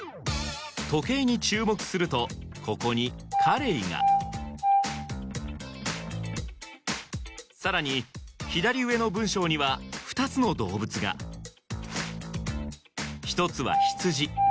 時計に注目するとここに「カレイ」がさらに左上の文章には２つの動物が１つは「羊」